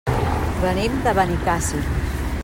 Venim de Benicàssim.